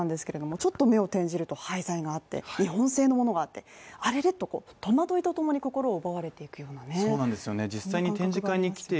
ちょっと目を転じると廃材があって、日本製のものがあって、戸惑いと共に心を奪われていくようなねそうなんですよね